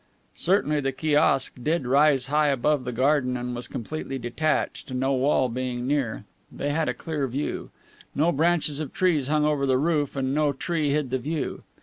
Certainly the kiosk did rise high above the garden and was completely detached, no wall being near. They had a clear view. No branches of trees hung over the roof and no tree hid the view.